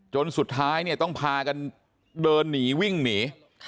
จนสุดท้ายเนี่ยต้องพากันเดินหนีวิ่งหนี